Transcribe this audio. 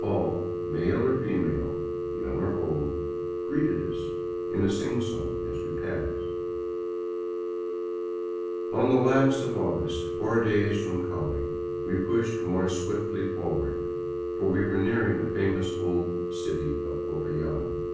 All, male or female, young or old, greeted us in a sing song as we passed. On the last of August, four days from Cali, we pushed more swiftly forward, for we were nearing the famous old city of Popayan.